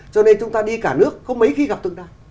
cho nên chúng ta đi cả nước không mấy khi gặp tượng đài